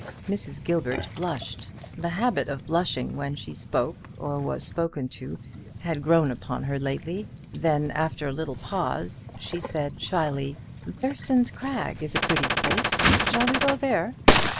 Mrs. Gilbert blushed. That habit of blushing when she spoke or was spoken to had grown upon her lately. Then, after a little pause, she said, shyly: "Thurston's Crag is a pretty place; shall we go there?"